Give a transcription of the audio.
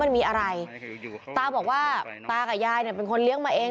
มันมีอะไรตาบอกว่าตากับยายเนี่ยเป็นคนเลี้ยงมาเอง